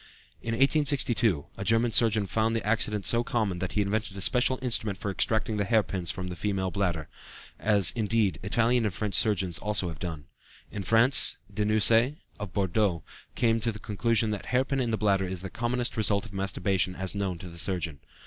In 1862, a German surgeon found the accident so common that he invented a special instrument for extracting hair pins from the female bladder, as, indeed, Italian and French surgeons have also done. In France, Denucé, of Bordeaux, came to the conclusion that hair pin in the bladder is the commonest result of masturbation as known to the surgeon.